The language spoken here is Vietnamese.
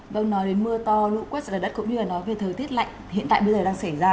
vâng nói đến mưa to lũ quét sạt lở đất cũng như là nói về thời tiết lạnh hiện tại bây giờ đang xảy ra